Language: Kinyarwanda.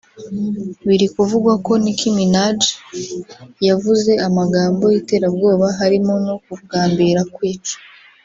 biri kuvugwa ko Nicki Minaj yavuze amagambo y’iterabwoba harimo no kugambira kwica